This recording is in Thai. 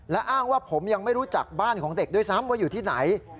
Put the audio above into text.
และอ้างว่าผมยังไม่รู้จักบ้านของเด็กด้วยซ้ำว่าอยู่ที่ไหน